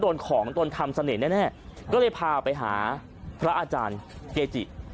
โดนของโดนทำเสน่ห์แน่ก็เลยพาไปหาพระอาจารย์เกจิ